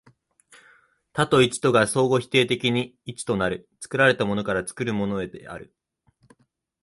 多と一とが相互否定的に一となる、作られたものから作るものへである。